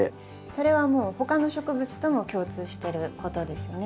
それはもう他の植物とも共通してることですね。